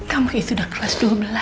kamu itu udah kelas dua belas